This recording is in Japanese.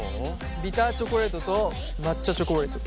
ビターチョコレートと抹茶チョコレート。